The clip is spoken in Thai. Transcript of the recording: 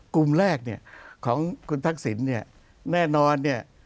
กลุ่มแรกเนี่ยของคุณทักษิณเนี่ยแน่นอนเนี่ย